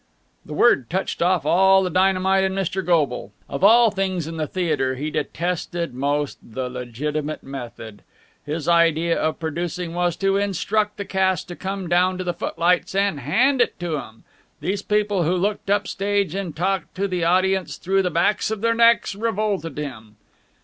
The word touched off all the dynamite in Mr. Goble. Of all things in the theatre he detested most the "legitimate method." His idea of producing was to instruct the cast to come down to the footlights and hand it to 'em. These people who looked up stage and talked to the audience through the backs of their necks revolted him.